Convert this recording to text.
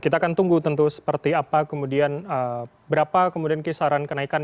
kita akan tunggu tentu seperti apa kemudian berapa kemudian kisaran kenaikan